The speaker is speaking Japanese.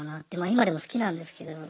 今でも好きなんですけど。